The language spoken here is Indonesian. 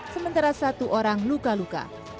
sementara satu orang luka luka